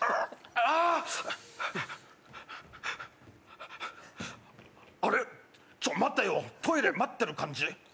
ああ、あれっ、ちょ待てよ、トイレ待ってる感じ？